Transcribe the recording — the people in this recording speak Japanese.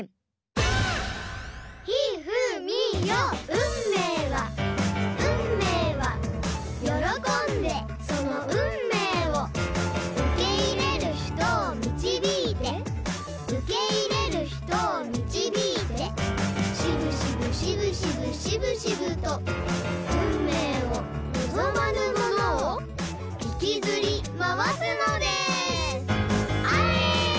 運命は運命は喜んでその運命を受け入れる人を導いて受け入れる人を導いてしぶしぶしぶしぶしぶしぶと運命を望まぬものを引きずり回すのですあれ！